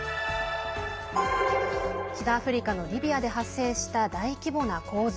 北アフリカのリビアで発生した大規模な洪水。